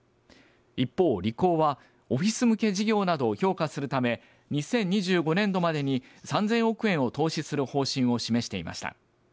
一方、リコーはオフィス向け事業などを強化するため２０２５年度までに３０００億円を投資する方針を示していました。